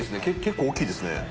結構大きいですね。